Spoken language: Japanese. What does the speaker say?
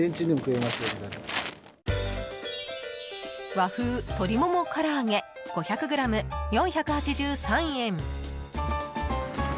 和風鶏もも唐揚げ５００ｇ、４８３円。